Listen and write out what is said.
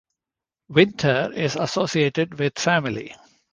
Winter is associated with family.